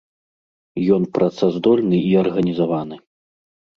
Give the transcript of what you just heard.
Ён працаздольны і арганізаваны.